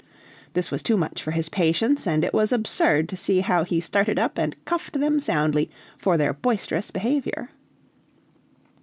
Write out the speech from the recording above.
This was too much for his patience, and it was absurd to see how he started up and cuffed them soundly for their boisterous behavior.